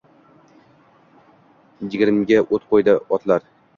Jigrimga oʻt qoʻydi otlar